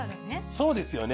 そうですよね。